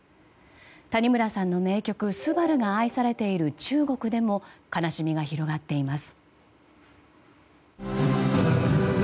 谷村さんの名曲「昴‐すばる‐」が愛されている中国でも悲しみが広がっています。